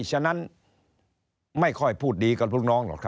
ฉะนั้นไม่ค่อยพูดดีกับลูกน้องหรอกครับ